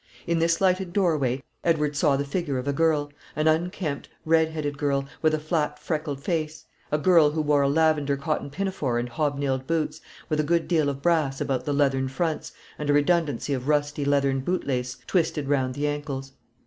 In this lighted doorway Edward saw the figure of a girl, an unkempt, red headed girl, with a flat freckled face; a girl who wore a lavender cotton pinafore and hob nailed boots, with a good deal of brass about the leathern fronts, and a redundancy of rusty leathern boot lace twisted round the ankles.